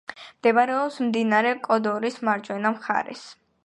მდებარეობს მდინარე კოდორის მარჯვენა მხარეს.